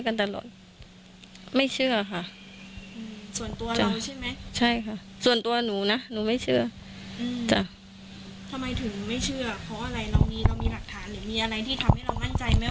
ทำไมถึงไม่เชื่อเพราะอะไรเรามีเรามีหลักฐานหรือมีอะไรที่ทำให้เรามั่นใจไหม